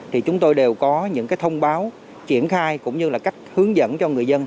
thì chúng tôi đều có những thông báo triển khai cũng như là cách hướng dẫn cho người dân